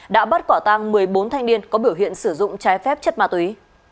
đã bắt quả tàng một mươi bốn thanh điên có biểu hiện sử dụng trái phép chất ma túy